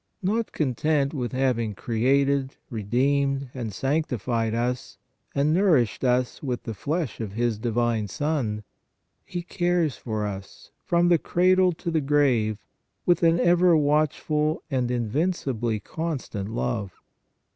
Not content with having created, re deemed and sanctified us, and nourished us with the flesh of His Divine Son, He cares for us, from the cradle to the grave, with an ever watchful and in vincibly constant love.